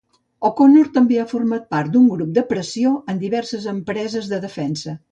O'Connor també ha format part d'un grup de pressió en diverses empreses de defensa.